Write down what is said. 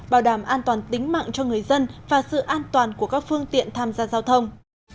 bảo đảm an toàn tính mạng cho người dân và sự an toàn của các phương tiện tham gia giao thông